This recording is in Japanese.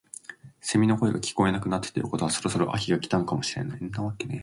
セミの声が聞こえなくなったということはそろそろ秋が来たのかもしれない